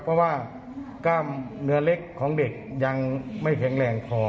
เพราะว่ากล้ามเนื้อเล็กของเด็กยังไม่แข็งแรงพอ